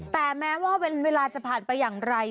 แต่แม้ว่าเวลาจะผ่านไปอย่างไร